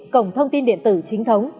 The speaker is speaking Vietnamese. cổng thông tin điện tử chính phủ